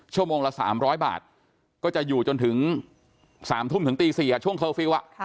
ชั่วโมงละ๓๐๐บาทก็จะอยู่จนถึง๓ทุ่มถึงตี๔ช่วงเคอร์ฟิลล์